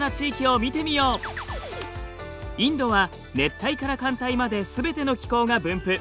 インドは熱帯から寒帯まですべての気候が分布。